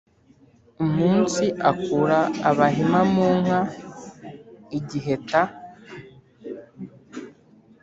umunsi akura abahima mu nka i giheta,